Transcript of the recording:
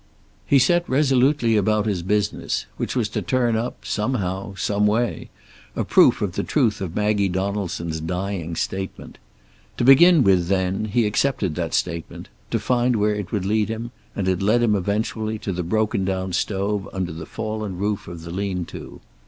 He set resolutely about his business, which was to turn up, somehow, some way, a proof of the truth of Maggie Donaldson's dying statement. To begin with then he accepted that statement, to find where it would lead him, and it led him, eventually, to the broken down stove under the fallen roof of the lean to.